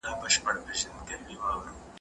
نړیوال قوانین څنګه روغتونونه ساتي؟